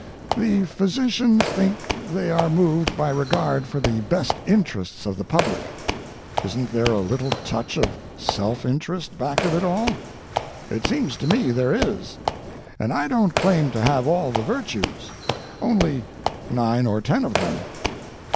The physicians think they are moved by regard for the best interests of the public. Isn't there a little touch of self interest back of it all? It seems to me there is, and I don't claim to have all the virtues—only nine or ten of them.